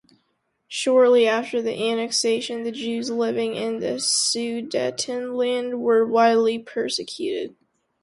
Shortly after the annexation, the Jews living in the Sudetenland were widely persecuted.